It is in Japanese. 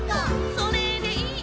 「それでいい」